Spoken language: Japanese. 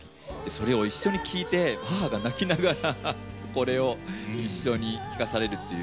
それを一緒に聴いて母が泣きながらこれを一緒に聴かされるっていう。